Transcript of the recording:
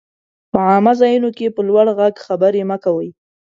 په عامه ځايونو کي په لوړ ږغ خبري مه کوئ!